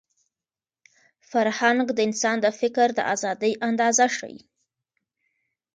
فرهنګ د انسان د فکر د ازادۍ اندازه ښيي.